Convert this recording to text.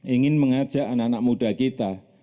ingin mengajak anak anak muda kita